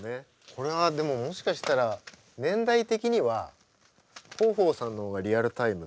これはでももしかしたら年代的には豊豊さんの方がリアルタイムだと思うんですけど。